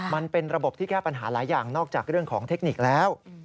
มันเป็นระบบที่แก้ปัญหาหลายอย่างนอกจากเรื่องของเทคนิคแล้ว